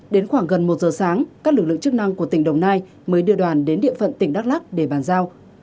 đến khoảng gần một giờ sáng các lực lượng chức năng của tỉnh đồng nai mới đưa đoàn đến địa phận tỉnh đắk lắc để bàn giao